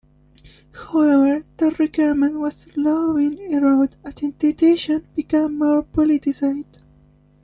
However that requirement has slowly been eroded as the institution has become more politicised.